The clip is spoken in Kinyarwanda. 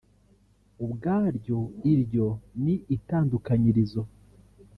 ubwaryo iryo ni itandukanyirizo